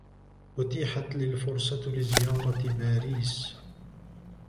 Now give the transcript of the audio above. أتيحت لي الفرصة لزيارة باريس.